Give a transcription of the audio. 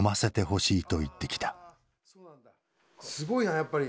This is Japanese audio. すごいなやっぱり。